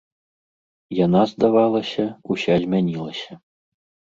Яна, здавалася, уся змянілася.